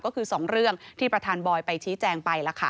ก็คือ๒เรื่องที่ประธานบอยไปชี้แจงไปแล้วค่ะ